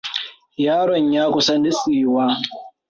Yaron ya kusa nutsewa.